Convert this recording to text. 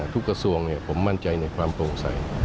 กระทรวงผมมั่นใจในความโปร่งใส